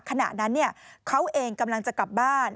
ขณะนั้นเขาเองกำลังจะกลับบ้าน